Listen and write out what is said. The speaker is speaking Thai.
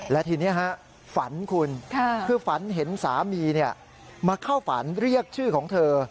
และทีนี้ฝันคุณคือฝันเห็นสามีมาเข้าฝันเรียกชื่อของเธอ